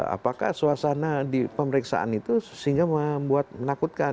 apakah suasana di pemeriksaan itu sehingga membuat menakutkan